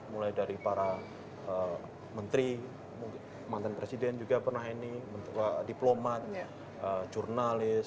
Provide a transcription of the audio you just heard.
mulai dari para menteri mantan presiden juga pernah ini diplomat jurnalis